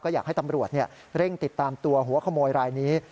อยากให้ตำรวจเร่งติดตามตัวหัวขโมยรายนี้